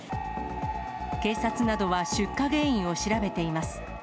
警察などは出火原因を調べています。